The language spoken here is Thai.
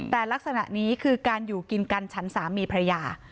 แต่ลักษณะนี้คือการอยู่กินกันฉันสามีภรรยา